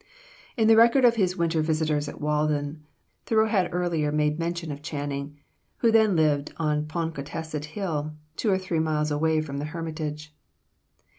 In the record of his winter visitors at Walden, Thoreau had earlier made mention of Channing, who then lived on Ponkawtasset Hill, two or three miles away from the hermitage.